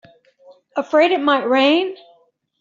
Afraid it might rain?